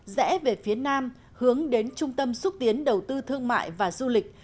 rẽ về phía nam hướng đến trung tâm xúc tiến đầu tư thương mại